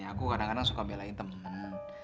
aku kadang kadang suka belain temen